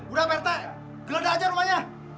udah berta geledah aja rumahnya